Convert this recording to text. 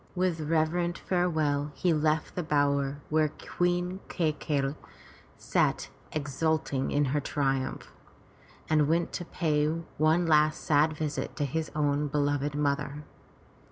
With reverent farewell he left the bower where Queen Kai key'i sat exulting in her triumph, and went to pay one last sad visit to his own beloved mother.